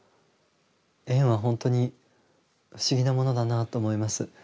縁は本当に不思議なものだなと思います。